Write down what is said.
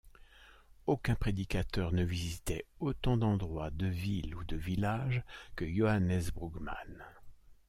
Aucun prédicateur ne visitait autant d'endroits, de villes ou de villages que Johannes Brugman.